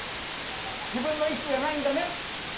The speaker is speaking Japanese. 自分の意思じゃないんだね！